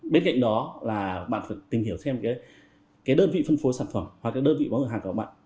bên cạnh đó là bạn phải tìm hiểu thêm cái đơn vị phân phối sản phẩm hoặc cái đơn vị bán cửa hàng của bạn